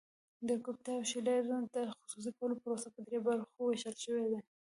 د ګوپټا او شیلر د خصوصي کولو پروسه په درې برخو ویشل شوې ده.